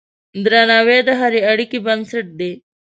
درناوی د هرې اړیکې بنسټ دی.